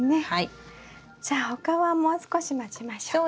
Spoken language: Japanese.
じゃあ他はもう少し待ちましょうか。